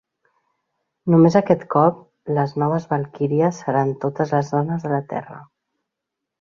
Només aquest cop, les noves valquíries seran totes les dones de la terra.